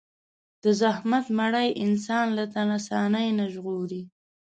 د زحمت مړۍ انسان له تن آساني نه ژغوري.